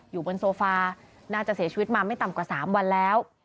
อยู่บนโซฟาน่าจะเสียชีวิตมาไม่ต่ำกว่า๓วันแล้ว